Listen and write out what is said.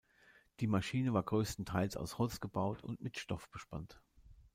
Die Maschine war größtenteils aus Holz gebaut und mit Stoff bespannt.